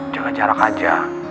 jaga jarak aja